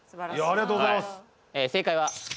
ありがとうございます。